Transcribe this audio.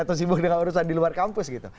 atau sibuk dengan urusan di luar kampus gitu